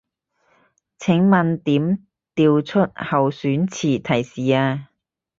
請問點調出候選詞提示啊